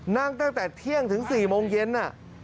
ตั้งแต่เที่ยงถึง๔โมงเย็น